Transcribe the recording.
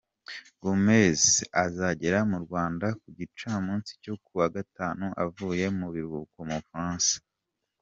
Gomez azagera mu Rwanda ku gicamunsi cyo kuwa gatanu avuye mu biruhuko mu Bufaransa.